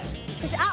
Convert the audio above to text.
あっ。